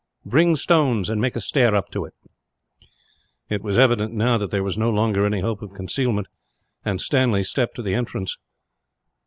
Bring stones, and make a stair up to it." It was evident now that there was no longer any hope of concealment, and Stanley stepped to the entrance.